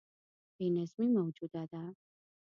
بې نظمي موجوده ده.